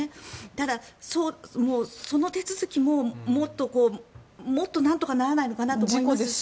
ただその手続きももっとなんとかならないかと思いますし。